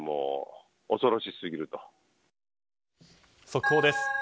速報です。